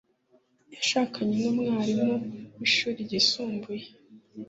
Yashakanye numwarimu wishuri ryisumbuye.